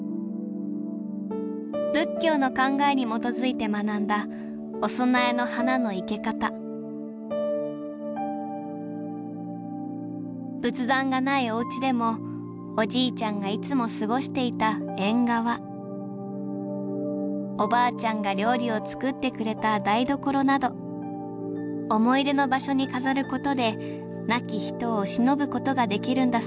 仏教の考えに基づいて学んだお供えの花の生け方仏壇がないおうちでもおじいちゃんがいつも過ごしていた縁側おばあちゃんが料理を作ってくれた台所など思い出の場所に飾ることで亡き人をしのぶことができるんだそうです。